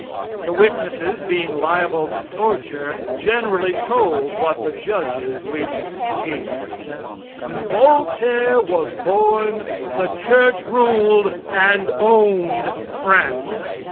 The witnesses, being liable to torture, generally told what the judges wished to hear. When Voltaire was born the church ruled and owned France.